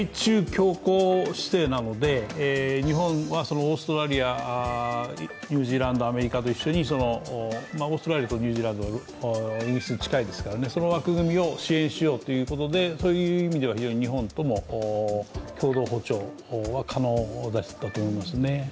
強硬姿勢なので日本はオーストラリア、ニュージーランド、アメリカと一緒にオーストラリアとニュージーランドはイギリスに近いですから、その枠組みを支援しようということで、そういう意味では非常に日本でも共同歩調は可能だと思いますね。